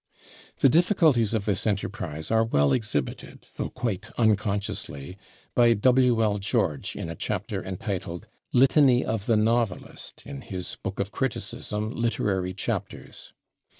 The difficulties of this enterprise are well exhibited, though quite unconsciously, by W. L. George in a chapter entitled "Litany of the Novelist" in his book of criticism, "Literary Chapters."